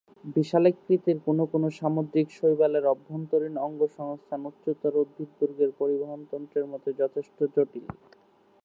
বিশালাকৃতির কোনো কোনো সামুদ্রিক শৈবালের অভ্যন্তরীণ অঙ্গসংস্থান উচ্চতর উদ্ভিদবর্গের পরিবহণতন্ত্রের মতোই যথেষ্ট জটিল।